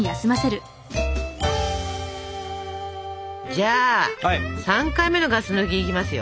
じゃあ３回目のガス抜きいきますよ。